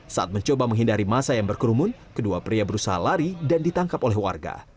saat mencoba menghindari masa yang berkerumun kedua pria berusaha lari dan ditangkap oleh warga